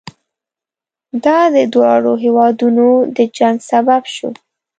دا د دواړو هېوادونو د جنګ سبب شو.